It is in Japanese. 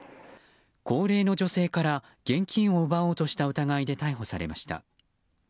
高齢の女性から現金を奪おうとした疑いで逮捕されました。